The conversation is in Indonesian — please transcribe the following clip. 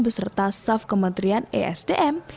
beserta staff kementerian esdm